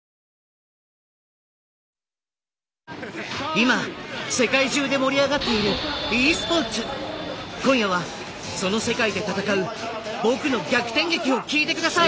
今世界中で盛り上がっている今夜はその世界で戦う僕の逆転劇を聞いて下さい！